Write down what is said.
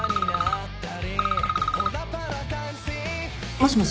もしもし？